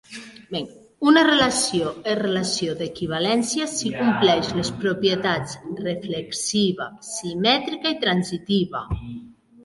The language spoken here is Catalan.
Una relació és relació d'equivalència si compleix les propietats reflexiva, simètrica i transitiva.